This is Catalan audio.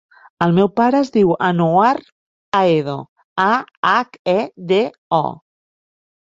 El meu pare es diu Anouar Ahedo: a, hac, e, de, o.